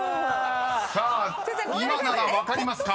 ［さあ今なら分かりますか？］